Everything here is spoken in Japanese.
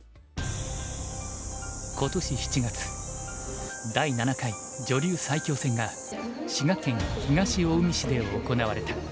今年７月第７回女流最強戦が滋賀県東近江市で行われた。